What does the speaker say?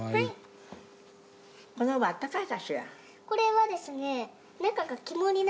これはですね。